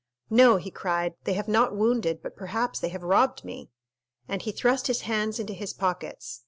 "No," he cried, "they have not wounded, but perhaps they have robbed me!" and he thrust his hands into his pockets.